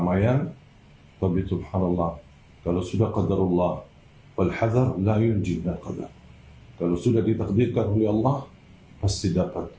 saya harap semua keluarga sahabat jamaah tolong doakan agar allah berikan yang terbaik